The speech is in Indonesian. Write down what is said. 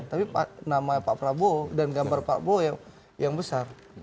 tapi nama pak prabowo dan gambar pak prabowo yang besar